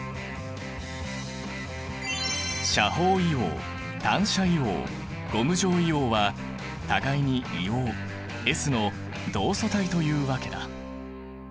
斜方硫黄単斜硫黄ゴム状硫黄は互いに硫黄Ｓの同素体というわけだ。